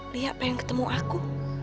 lia ingin ketemu aku